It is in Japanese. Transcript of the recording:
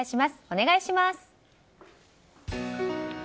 お願いします。